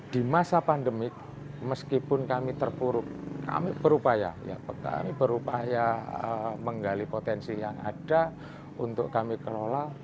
di masa pandemik meskipun kami terpuruk kami berupaya kami berupaya menggali potensi yang ada untuk kami kelola